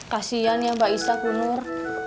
kasian ya mbak isah bunur